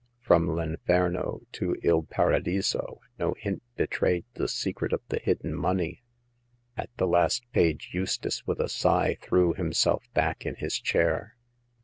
From " L'Inferno " to 'Ml Paradiso " no hint betrayed the secret of the hidden money. At the last page, Eustace, with a sigh, threw himself back in his chair.